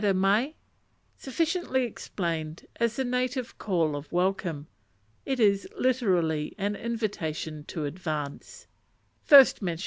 _ Sufficiently explained as the native call of welcome. It is literally an invitation to advance.